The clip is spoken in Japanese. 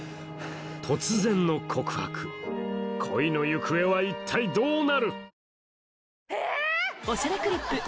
突然の告白恋の行方は一体どうなる？